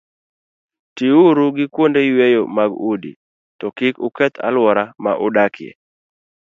Tiuru gi kuonde yweyo mag udi, to kik uketh alwora ma udakie.